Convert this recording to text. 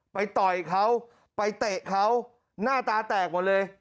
ต่อยเขาไปเตะเขาหน้าตาแตกหมดเลย